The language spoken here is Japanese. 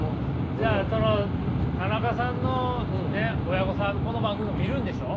じゃあ田中さんのね親御さんこの番組見るんでしょ？